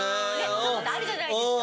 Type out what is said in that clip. そういうことあるじゃないですか。